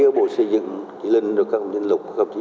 ở bộ xây dựng chị linh các ông chí